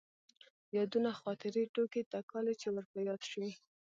يادونه ،خاطرې، ټوکې تکالې چې ور په ياد شوي.